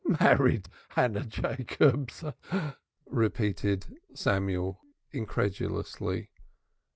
"Married Hannah Jacobs!" repeated Samuel incredulously.